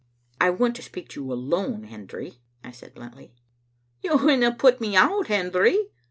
"I want to speak to you alone, Hendry," I said bluntly. "You winna put me out, Hendry?"